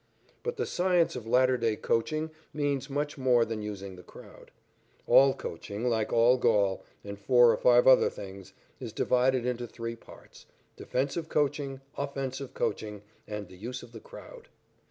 But the science of latter day coaching means much more than using the crowd. All coaching, like all Gaul and four or five other things, is divided into three parts, defensive coaching, offensive coaching and the use of the crowd.